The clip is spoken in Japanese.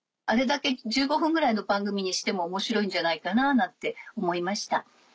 あれだけ１５分ぐらいの番組にしても面白いんじゃないかななんて思いました。